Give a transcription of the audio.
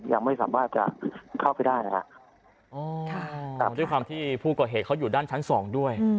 ยังไม่สามารถจะเข้าไปได้นะฮะตามด้วยความที่ผู้ก่อเหตุเขาอยู่ด้านชั้นสองด้วย